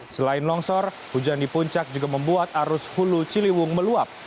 selain longsor hujan di puncak juga membuat arus hulu ciliwung meluap